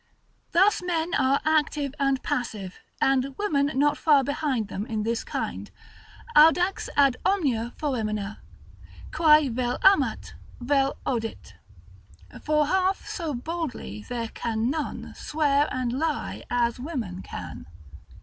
Thus men are active and passive, and women not far behind them in this kind: Audax ad omnia foemina, quae vel amat, vel odit. For half so boldly there can non Swear and lye as women can.